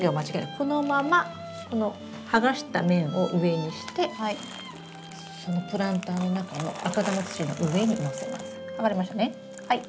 このままこの剥がした面を上にしてそのプランターの中の赤玉土の上にのせます。